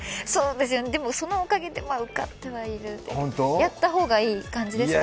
そのおかげで受かってはいるやった方がいい感じですか？